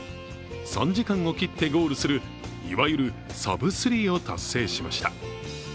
３時間を切ってゴールするいわゆるサブ３を達成しました。